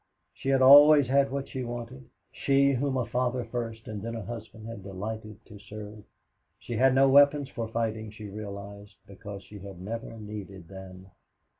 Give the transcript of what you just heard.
She who had always had what she wanted, she whom a father first and then a husband had delighted to serve. She had no weapons for fighting, she realized, because she had never needed them.